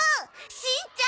しんちゃん